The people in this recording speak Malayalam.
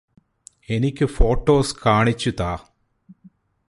എനിക്ക് ഫോട്ടോസ് കാണിച്ചു താ